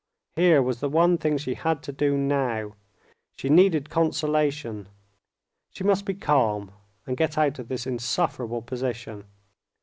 Here was the one thing she had to do now. She needed consolation. She must be calm, and get out of this insufferable position.